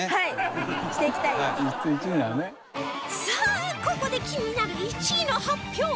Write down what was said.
さあここで気になる１位の発表